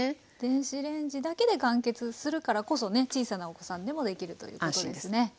電子レンジだけで完結するからこそね小さなお子さんでもできるということですね。